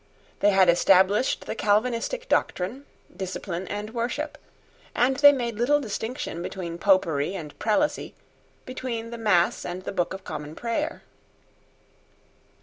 They had established the Calvinistic doctrine, discipline, and worship; and they made little distinction between Popery and Prelacy, between the Mass and the Book of Common Prayer.